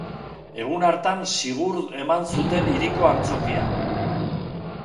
Egun hartan Sigurd eman zuten hiriko antzokian.